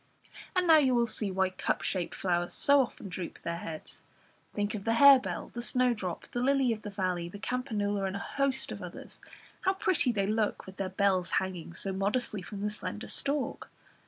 And now you will see why cup shaped flowers so often droop their heads think of the harebell, the snowdrop, the lily of the valley, the campanula, and a host of others; how pretty they look with their bells hanging so modestly from the slender stalk!